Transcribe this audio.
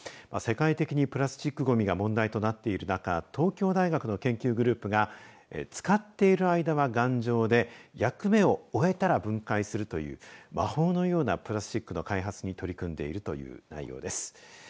世界的にプラスチックごみが問題となっている中東京大学の研究グループが使っている間は頑丈で役目を終えたら分解するという魔法のようなプラスチックの開発に取り組んでいるという内容です。